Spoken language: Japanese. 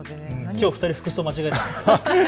きょう２人、服装間違えたんです。